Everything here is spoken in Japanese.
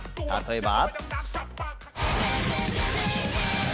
例えば。